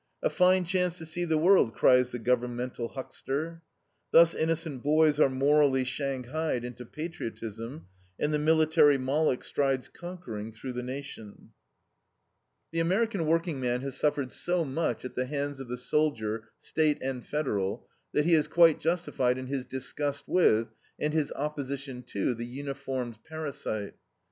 "A fine chance to see the world!" cries the governmental huckster. Thus innocent boys are morally shanghaied into patriotism, and the military Moloch strides conquering through the Nation. The American workingman has suffered so much at the hands of the soldier, State, and Federal, that he is quite justified in his disgust with, and his opposition to, the uniformed parasite.